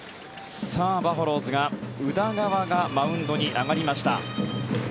バファローズが宇田川がマウンドに上がりました。